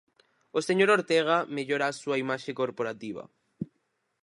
O señor Ortega, mellora a súa imaxe corporativa.